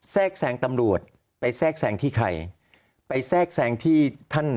แทรกแซงตำรวจไปแทรกแซงที่ใครไปแทรกแทรงที่ท่าน